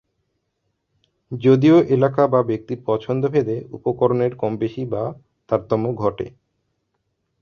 যদিও এলাকা বা ব্যক্তির পছন্দ ভেদে উপকরণের কমবেশি বা তারতম্য ঘটে।